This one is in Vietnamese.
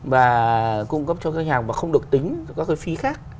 và cung cấp cho các khách hàng mà không được tính các cái phi khác